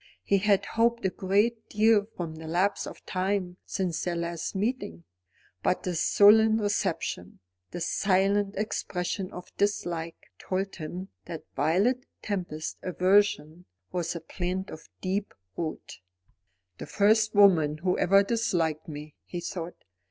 He had hoped a great deal from the lapse of time since their last meeting. But this sullen reception, this silent expression of dislike, told him that Violet Tempest's aversion was a plant of deep root. "The first woman who ever disliked me," he thought.